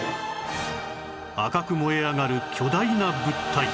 赤く燃え上がる巨大な物体